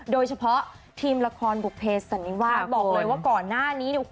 โดยเฉพาะทีมละครบุภเพสันนิวาสบอกเลยว่าก่อนหน้านี้เนี่ย